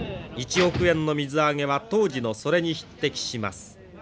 １億円の水揚げは当時のそれに匹敵します。